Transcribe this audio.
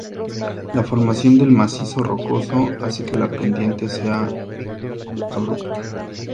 La formación del macizo rocoso hace que la pendiente sea abrupta.